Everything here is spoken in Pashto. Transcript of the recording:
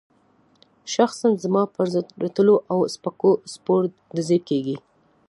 شخصاً زما پر ضد رټلو او سپکو سپور ډزې کېږي.